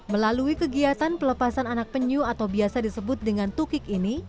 melalui kegiatan pelepasan anak penyu atau biasa disebut dengan tukik ini